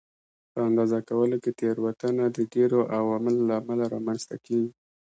په اندازه کولو کې تېروتنه د ډېرو عواملو له امله رامنځته کېږي.